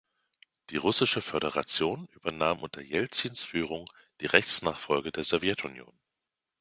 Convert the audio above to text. Die Russische Föderation übernahm, unter Jelzins Führung, die Rechtsnachfolge der Sowjetunion.